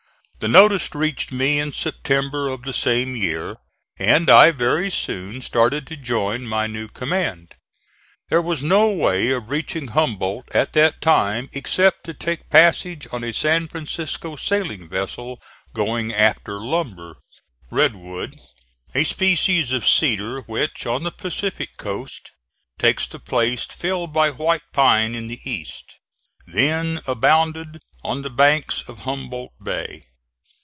The notice reached me in September of the same year, and I very soon started to join my new command. There was no way of reaching Humboldt at that time except to take passage on a San Francisco sailing vessel going after lumber. Red wood, a species of cedar, which on the Pacific coast takes the place filled by white pine in the East, then abounded on the banks of Humboldt Bay.